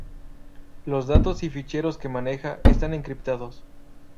los datos y ficheros que maneja están encriptados